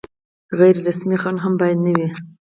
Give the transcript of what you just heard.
غیر رسمي خنډ هم باید نه وي.